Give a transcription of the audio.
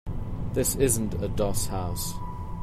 This isn't a doss house.